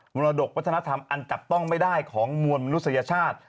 มรดกวัฒนธรรมอันจับต้องไม่ได้ของมวลมนุษยชาติ